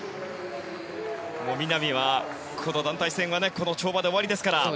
南はこの団体戦は跳馬で終わりですから。